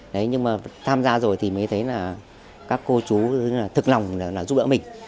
nhưng mà tham gia rồi thì mới thấy là các cô chú thật lòng là giúp đỡ mình